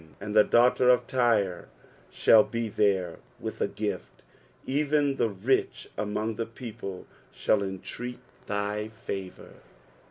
12 And the daughter of Tyre shall ke there with a gift ; even the rich among the people shall entreat thy favour.